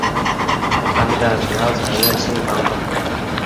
当地的主要产业是港口。